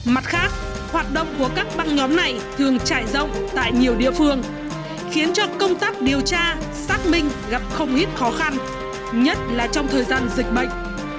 mặt khác hoạt động của các băng nhóm này thường trải rộng tại nhiều địa phương khiến cho công tác điều tra xác minh gặp không ít khó khăn nhất là trong thời gian dịch bệnh